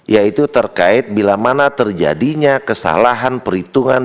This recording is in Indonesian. yaitu terkait bila mana terjadinya kesalahan perhitungan